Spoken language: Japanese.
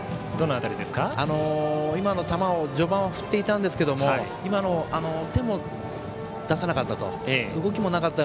今の球を序盤、振っていたんですけども手も出さなかった。